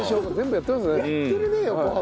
やってるね横浜。